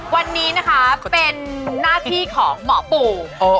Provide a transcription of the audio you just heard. วันนี้นะคะเป็นหน้าที่ของหมอปู่